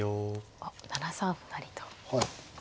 あっ７三歩成と。